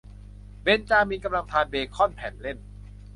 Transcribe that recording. เบนจามินกำลังทานเบค่อนแผ่นเล่น